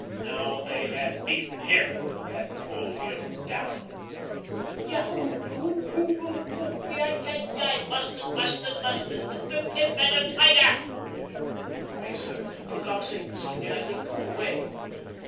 Now they had beaten him, had pulled him down. "Yah h h, whoop, yi, yi, yi. Busted, busted, busted. Hip, hip, hip, and a tiger!" "Come away, sir. For God's sake, Mr. Jadwin, come away."